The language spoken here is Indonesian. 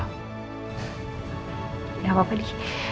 gak apa apa di